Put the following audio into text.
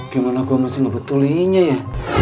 gimana gue mesti ngebetulinya ya